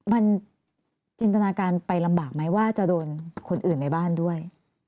มันจินตนาการไปลำบากไหมว่าจะโดนคนอื่นในบ้านด้วย